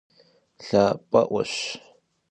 Лъапӏэӏуэщ.